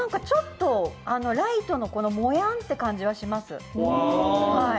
ちょっとライトのもやっていう感じはします。